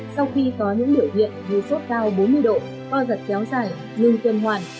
sau khi có những biểu hiện như sốt cao bốn mươi độ co giật kéo dài ngưng tuyên hoàn